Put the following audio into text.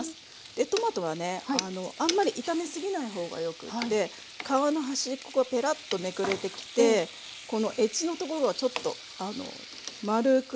でトマトはねあんまり炒め過ぎない方がよくって皮の端っこがぺらっとめくれてきてこのエッジのところがちょっと丸く。